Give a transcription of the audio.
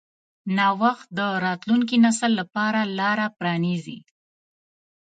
نوښت د راتلونکي نسل لپاره لاره پرانیځي.